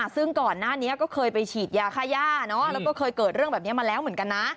ซึ่งก่อนหน้านี้ก็เคยไปฉีดยาค่าย่าแล้วก็เคยเกิดเรื่องแบบนี้มาแล้วเหมือนกันนะ